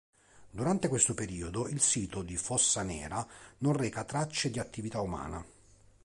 Durante questo periodo il sito di Fossa Nera non reca tracce di attività umana.